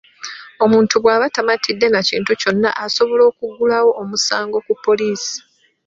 Omuntu bwaba tamatidde na kintu kyonna, asobola okuggulawo omusango ku poliisi.